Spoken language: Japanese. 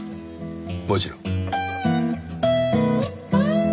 もちろん。